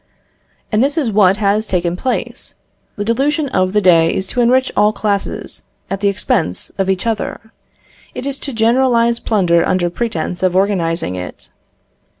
And this is what has taken place. The delusion of the day is to enrich all classes at the expense of each other; it is to generalise plunder under pretence of organising it.